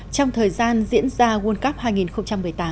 trong thời gian diễn ra world cup hai nghìn một mươi tám